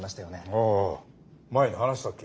ああ前に話したっけ？